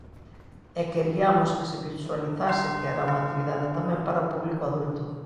E queriamos que se visualizase que era unha actividade tamén para o público adulto.